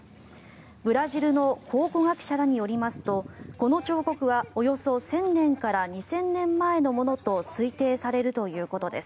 ブラジルの考古学者らによりますとこの彫刻はおよそ１０００年から２０００年前のものと推定されるということです。